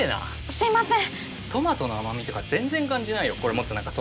すいません。